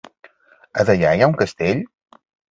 A Deià hi ha un castell?